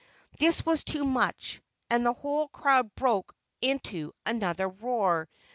This was too much, and the whole crowd broke into another roar.